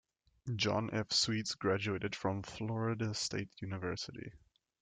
John F. Sweets graduated from Florida State University.